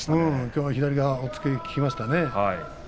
きょうは左の押っつけが効きましたね。